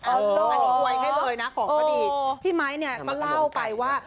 อันนี้กลัวให้เลยนะของพี่ไม้เนี่ยมาเล่าไปว่า